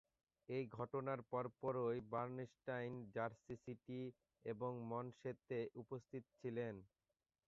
এই ঘটনার পরপরই বার্নস্টাইন জার্সি সিটি এবং মনসেতে উপস্থিত ছিলেন।